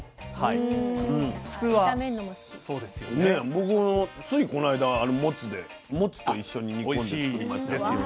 僕もついこの間もつでもつと一緒に煮込んで作りましたよ。